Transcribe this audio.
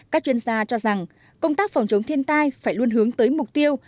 các chuyên gia cho rằng công tác phòng chống thiên tai phải luôn hướng tới mục tiêu